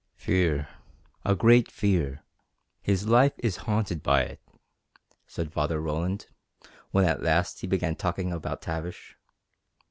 "Fear a great fear his life is haunted by it," said Father Roland, when at last he began talking about Tavish.